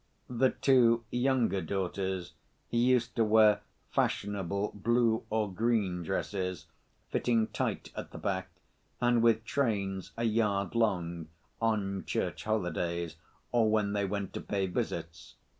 The two younger daughters used to wear fashionable blue or green dresses, fitting tight at the back, and with trains a yard long, on Church holidays or when they went to pay visits.